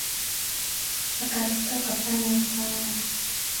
Paka akitoka pana hutawala